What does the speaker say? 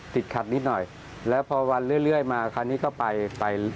ติดขัดนิดหน่อยแล้วพอวันเรื่อยมาคราวนี้ก็ไปไป